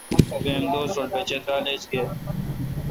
دوئم دوس رل بہ چترال ایچ گے۔